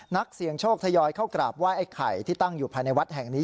นักเสี่ยงโชคทยอยเข้ากราบไหว้ไอ้ไข่ที่ตั้งอยู่ภายในวัดแห่งนี้